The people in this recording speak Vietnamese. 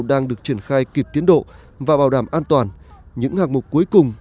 đang được triển khai kịp tiến độ và bảo đảm an toàn những hạng mục cuối cùng